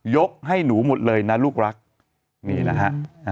ให้หนูหมดเลยนะลูกรักนี่นะฮะ